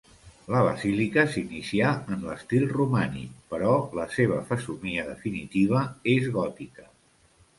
La basílica s'inicià en l'estil romànic, però la seva fesomia definitiva és gòtica.